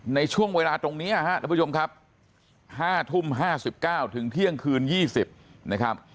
ในช่วงเวลาตรงนี้ครับท่านผู้ชมครับ๕ทุ่ม๕๙ถึงเที่ยงคืน๒๐นะครับ